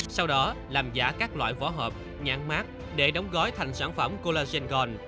sau đó làm giả các loại vỏ hộp nhãn mát để đóng gói thành sản phẩm collagen gòn